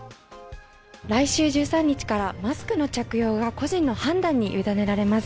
来週１３日から、マスクの着用が、個人の判断に委ねられます。